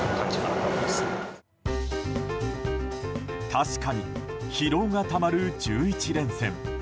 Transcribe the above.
確かに疲労がたまる１１連戦。